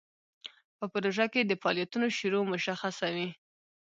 په پروژه کې د فعالیتونو شروع مشخصه وي.